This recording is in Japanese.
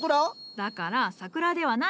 だから桜ではない。